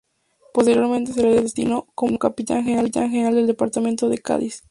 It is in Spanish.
Posteriormente se le destinó, como capitán general del Departamento de Cádiz.